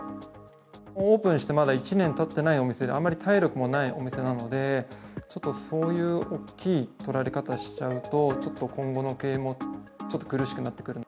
オープンしてまだ１年たってないお店で、あんまり体力もないお店なので、ちょっとそういう大きいとられ方しちゃうと、ちょっと今後の経営も、ちょっと苦しくなってくる。